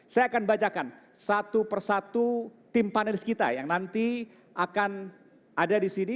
saya akan bacakan satu persatu tim panelis kita yang nanti akan ada di sini